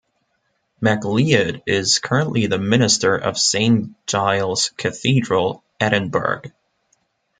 MacLeod is currently the Minister of Saint Giles' Cathedral, Edinburgh.